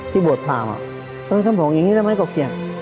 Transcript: ที่บวชพราวอ่ะเออท่านผมอย่างงี้ได้ไหมก็เขียน